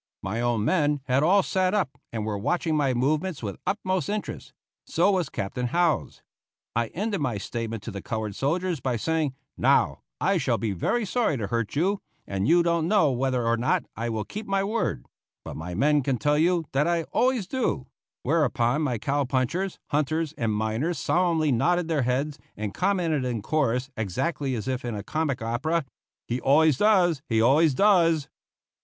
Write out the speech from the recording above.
My own men had all sat up and were watching my movements with utmost interest; so was Captain Howze. I ended my statement to the colored soldiers by saying: "Now, I shall be very sorry to hurt you, and you don't know whether or not I will keep my word, but my men can tell you that I always do;" whereupon my cow punchers, hunters, and miners solemnly nodded their heads and commented in chorus, exactly as if in a comic opera, "He always does; he always does!"